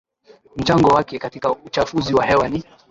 mchango wake katika uchafuzi wa hewa n